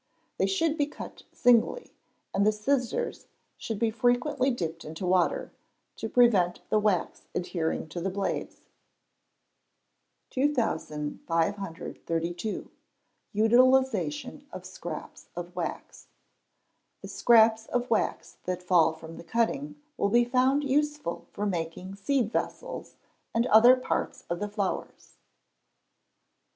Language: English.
They should be cut singly, and the scissors should be frequently dipped into water, to prevent the wax adhering to the blades. 2532. Utilisation of Scraps of Wax. The scraps of wax that fall from the cutting will be found useful for making seed vessels, and other parts of the flowers.